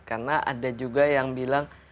karena ada juga yang bilang